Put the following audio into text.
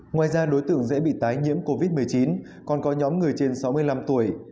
ngoài ra đối tượng dễ bị tái nhiễm covid một mươi chín còn có nhóm người trên sáu mươi năm tuổi